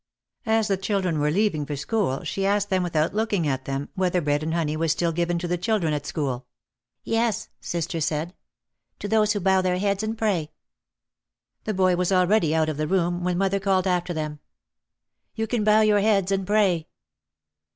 As the children were leaving for school she asked them without looking at them, whether bread and honey was still given to the children at school. "Yes," sister said, "to those who bow their heads and pray." The boy was already out of the room when mother called after them. "You can bow your heads and pray."